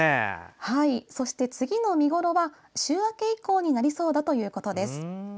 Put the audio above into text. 次の見頃は週明け以降になりそうだということです。